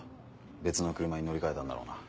別の車に乗り換えたんだろうな。